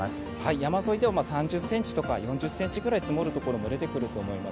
山沿いでは３０ｃｍとか４０ｃｍぐらい積もる所も出てきそうです。